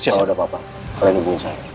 kalau ada apa apa kalian hubungi saya